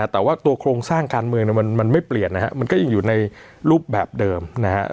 แต่ว่าตัวโครงสร้างการเมืองมันไม่เปลี่ยนนะครับมันก็ยังอยู่ในรูปแบบเดิมนะครับ